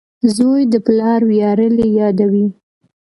• زوی د پلار ویاړلی یاد وي.